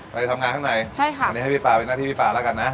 ไปทำงานข้างในใช่ค่ะวันนี้ให้พี่ป่าเป็นหน้าที่พี่ป่าแล้วกันนะ